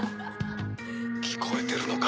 聞こえてるのか？